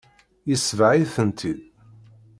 Yesbeɣ-itent-id.